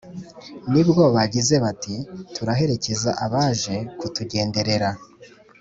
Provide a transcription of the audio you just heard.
ni bwo bagize bati turaherekeza abaje kutugenderera,